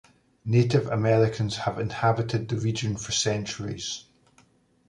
Native Americans have inhabited the region for centuries.